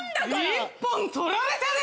一本取られたで！